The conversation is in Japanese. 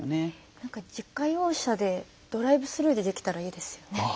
何か自家用車でドライブスルーでできたらいいですよね。